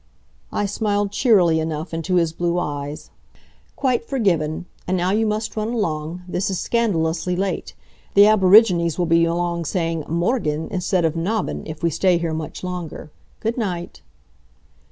I smiled cheerily enough into his blue eyes. "Quite forgiven. And now you must run along. This is scandalously late. The aborigines will be along saying 'Morgen!' instead of 'Nabben'!' if we stay here much longer. Good night."